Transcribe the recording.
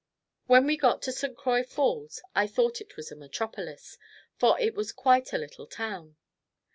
When we got to St. Croix Falls, I thought it was a metropolis, for it was quite a little town.